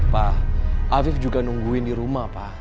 pa afif juga nungguin di rumah pa